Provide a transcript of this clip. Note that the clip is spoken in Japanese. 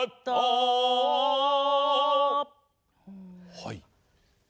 はい。